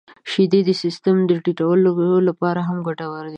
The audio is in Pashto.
• شیدې د سیستم د ټيټولو لپاره هم ګټورې دي.